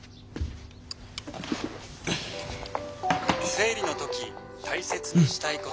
「生理の時大切にしたいこと。